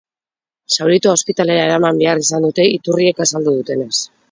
Zauritua ospitalera eraman behar izan dute, iturriek azaldu dutenez.